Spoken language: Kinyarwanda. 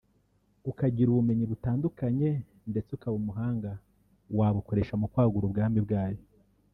ukagira ubumenyi butandukanye ndetse ukaba umuhanga wabukoresha mu kwagura ubwami bwayo